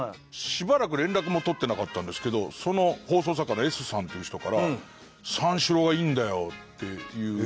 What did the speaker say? しばらく連絡も取ってなかったんですけどその放送作家のＳさんっていう人から三四郎がいいんだよっていう話がきて。